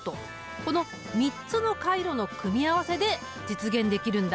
この３つの回路の組み合わせで実現できるんだ！